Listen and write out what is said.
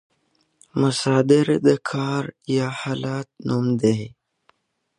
مصدر د کار یا حالت نوم دئ.